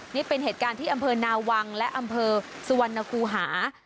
นี่เป็นเหตุการณ์ที่อำเภอนาวังและอำเภอสุวรรณคูหา